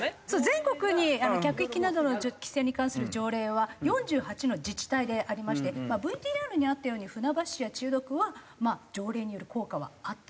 全国に客引きなどの規制に関する条例は４８の自治体でありましてＶＴＲにあったように船橋市や千代田区は条例による効果はあったと。